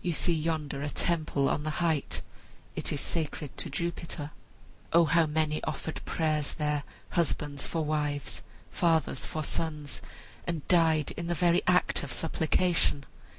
You see yonder a temple on the height. It is sacred to Jupiter. O how many offered prayers there, husbands for wives, fathers for sons, and died in the very act of supplication!